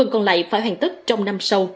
còn lại phải hoàn tất trong năm sau